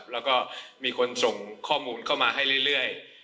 แล้วก็มีคนส่งข้อมูลเข้ามาให้เรื่อย